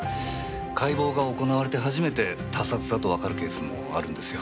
解剖が行われて初めて他殺だとわかるケースもあるんですよ。